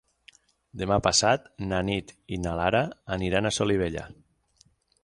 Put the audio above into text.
Demà passat na Nit i na Lara aniran a Solivella.